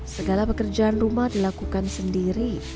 segala pekerjaan rumah dilakukan sendiri